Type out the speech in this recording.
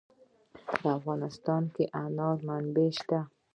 په افغانستان کې د انار منابع شته.